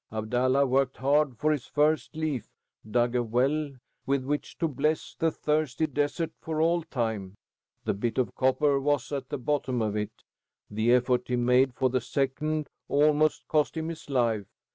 Abdallah worked hard for his first leaf, dug a well with which to bless the thirsty desert for all time. The bit of copper was at the bottom of it. The effort he made for the second almost cost him his life.